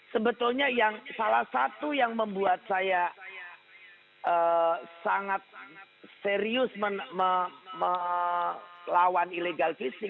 sebetulnya yang salah satu yang membuat saya sangat serius melawan ilegal kristin